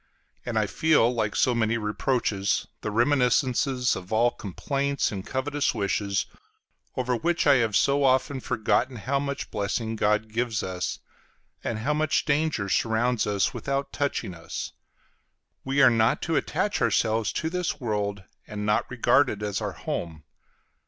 and I feel like so many reproaches the reminiscences of all complaints and covetous wishes, over which I have so often forgotten how much blessing God gives us, and how much danger surrounds us without touching us. We are not to attach ourselves to this world, and not regard it as our home.